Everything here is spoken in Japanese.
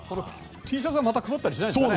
Ｔシャツはまた配ったりしないんですかね？